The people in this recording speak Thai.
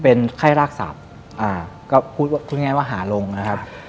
เป็นไข้รากสัตว์ก็พูดง่ายว่าหาลงนะครับ